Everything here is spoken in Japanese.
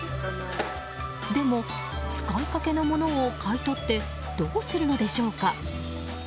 でも、使いかけのものを買い取ってどうするのでしょうか。